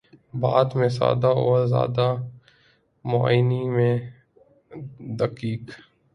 بات میں سادہ و آزادہ، معانی میں دقیق